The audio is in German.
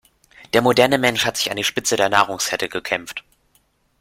Der moderne Mensch hat sich an die Spitze der Nahrungskette gekämpft.